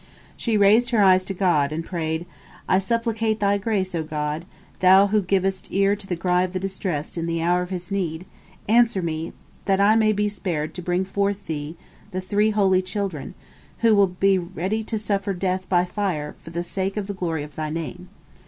She raised her eyes to God, and prayed: "I supplicate Thy grace, O God, Thou who givest ear to the cry of the distressed in the hour of his need, answer me, that I may be spared to bring forth the three holy children, who will be ready to suffer death by fire, for the sake of the glory of Thy Name."